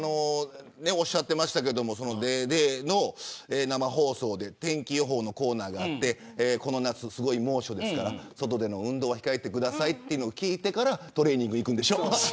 おっしゃってましたけどＤａｙＤａｙ．の生放送で天気予報のコーナーがあってこの夏すごい猛暑ですから外での運動は控えてくださいと聞いてからトレーニング行くんでしょ。